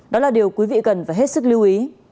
đó là điều quý vị cần phải hết sức lưu ý